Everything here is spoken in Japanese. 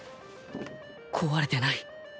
壊れてない